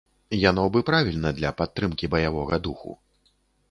Яно б і правільна для падтрымкі баявога духу.